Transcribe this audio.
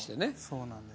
そうなんです。